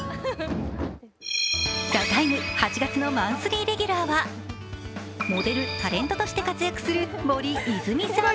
「ＴＨＥＴＩＭＥ，」８月のマンスリーレギュラーはモデル・タレントとして活躍する森泉さん。